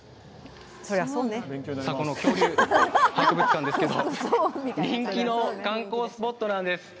この恐竜博物館ですけど、人気の観光スポットなんです。